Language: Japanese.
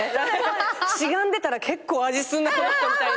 しがんでたら結構味すんなこの人みたいな。